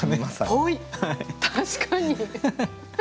確かに。